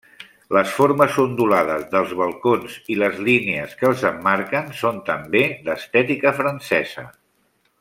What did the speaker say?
Les formes ondulades dels balcons i les línies que els emmarquen són també d'estètica francesa.